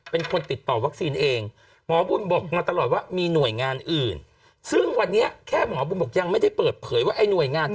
เป็นคนติดต่อแบบไวท์เซ็นต์เอง